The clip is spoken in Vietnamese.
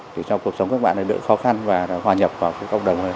để cho cuộc sống các bạn đỡ khó khăn và hòa nhập vào cộng đồng